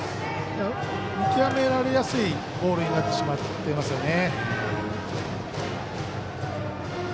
見極められやすいボールになってしまっていますね。